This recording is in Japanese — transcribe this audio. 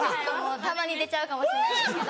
たまに出ちゃうかもしんないですけど。